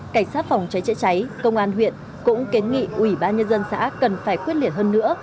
cảnh sát phòng cháy cháy cháy công an huyện cũng kến nghị ủy ban nhân dân xã cần phải khuyết liệt hơn nữa